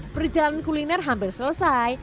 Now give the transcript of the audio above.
perjalanan kuliner hampir selesai